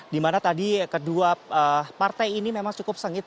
dimana tadi kedua partai ini memang cukup sengit